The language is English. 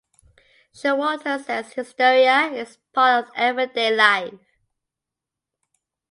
Showalter says Hysteria is part of everyday life.